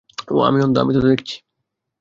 ওহ আমি অন্ধ, আমি তো দেখছি।